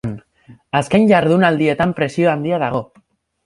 Azken jardunaldietan presio handia dago.